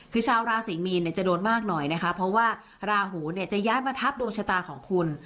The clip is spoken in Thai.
คือชาวราศรีมีนจะโดนมากหน่อยนะคะเพราะว่าราหูเนี่ยจะย้ายมาทับดวงชะตาของคุณ